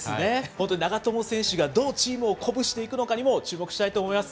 本当、長友選手がどうチームを鼓舞していくのかにも注目したいと思います。